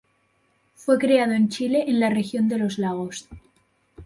Fue creado en Chile en la Región de Los Lagos.